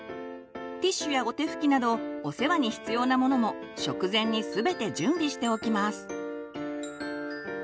ティッシュやおてふきなどお世話に必要なものも食前に全て準備しておきます。